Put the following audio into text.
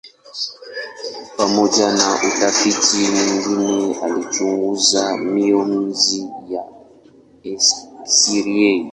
Pamoja na utafiti mwingine alichunguza mionzi ya eksirei.